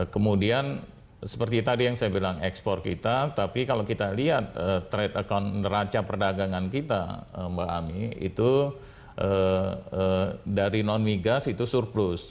kemudian seperti tadi yang saya bilang ekspor kita tapi kalau kita lihat trade account neraca perdagangan kita mbak ami itu dari non migas itu surplus